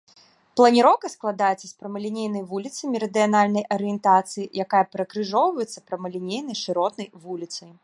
Планіроўка складаецца з прамалінейнай вуліцы мерыдыянальнай арыентацыі, якая перакрыжоўваецца прамалінейнай шыротнай вуліцай.